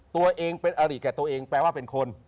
ตัวเองเป็นอริแก่ตัวเองแปลว่าเป็นคน